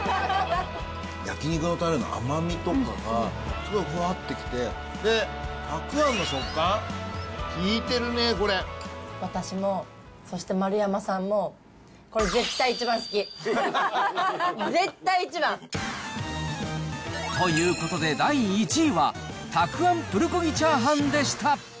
焼き肉のたれの甘みとかがすごいふわって来て、で、たくあんの食感、私も、そして丸山さんも、これ、絶対一番好き。ということで、第１位は、たくあんプルコギチャーハンでした。